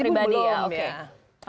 belum ada konfirmasi kepada yang pribadi